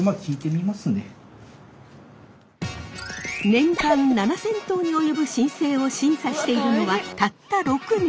年間７，０００頭に及ぶ申請を審査しているのはたった６人。